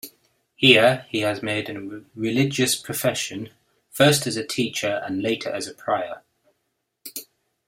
Here he also made religious profession, first as a teacher and later as prior.